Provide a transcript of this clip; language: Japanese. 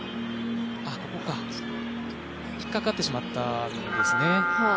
引っ掛かってしまったんですね。